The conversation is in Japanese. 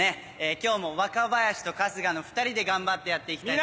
今日も若林と春日の２人で頑張ってやっていきたいと。